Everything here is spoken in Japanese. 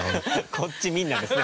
「こっち見んな」ですね